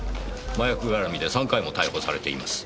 麻薬絡みで３回も逮捕されています。